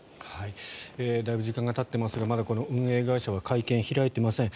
だいぶ時間がたっていますがまだこの運営会社は会見を開いていません。